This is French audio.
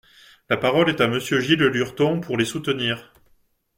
La parole est à Monsieur Gilles Lurton, pour les soutenir.